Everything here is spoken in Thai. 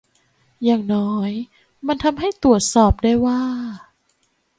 อย่างน้อยมันทำให้ตรวจสอบได้ว่า